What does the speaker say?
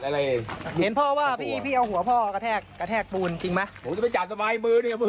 เราเสพยาไหมพี่